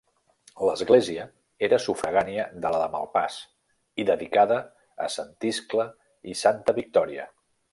L'església era sufragània de la de Malpàs, i dedicada a sant Iscle i santa Victòria.